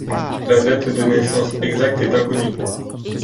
La date de naissance exacte est inconnue.